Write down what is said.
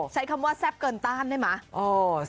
ใช้คำว่าแซ่บเกินต้านได้ไหม